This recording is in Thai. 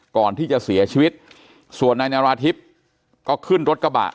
ก่อนที่จะเสียชีวิตส่วนนายนาราธิบก็ขึ้นรถกระบะ